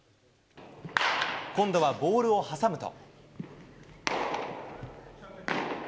今度はボールを挟むと。